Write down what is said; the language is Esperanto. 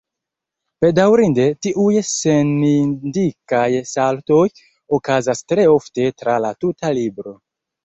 Bedaŭrinde, tiuj senindikaj saltoj okazas tre ofte tra la tuta libro.